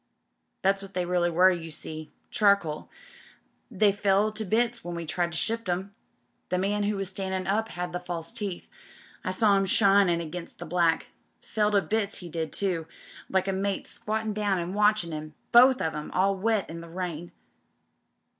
That's what they really were, you see — charcoal. They fell to bits when we tried to shift 'em. Tlie man who was standin' up had the false teeth. I saw em shinin' against the black. Fell to bits he did too, like his mate squatting down an' watchin' him, both of 'em all wet in the rain.